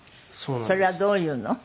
それはどういうの？